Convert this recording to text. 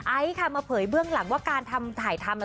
ค่ะมาเผยเบื้องหลังว่าการทำถ่ายทำ